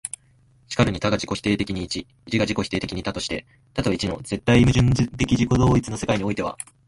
然るに多が自己否定的に一、一が自己否定的に多として、多と一との絶対矛盾的自己同一の世界においては、